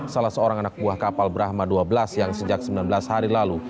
salah seorang anak buah kapal brahma dua belas yang sejak sembilan belas hari lalu